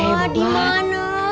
wah di mana